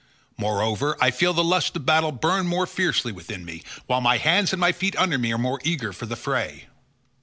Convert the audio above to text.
Moreover I feel the lust of battle burn more fiercely within me, while my hands and my feet under me are more eager for the fray."